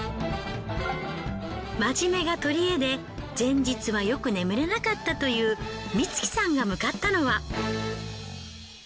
真面目がとりえで前日はよく眠れなかったというミツキさんが向かったのは。